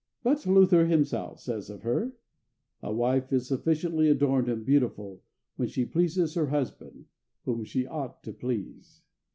But Luther himself says of her, "A wife is sufficiently adorned and beautiful when she pleases her husband, whom she ought to please."